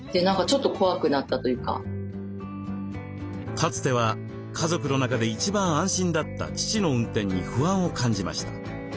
かつては家族の中で一番安心だった父の運転に不安を感じました。